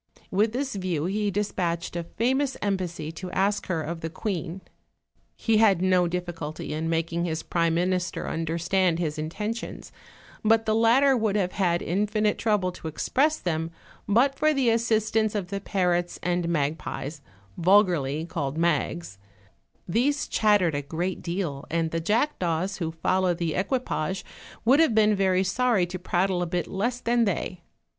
With this view he dispatched a famous embassy to ask her of the queen; he had no difficulty in making his prime minister under stand his intentions, but the latter would have had in finite trouble to express them, but for the assistance of the parrots and magpies, vulgarly called mags; these chattered a great deal, and the jackdaws who followed the equipage would have been very sorry to prattle a bit less than they.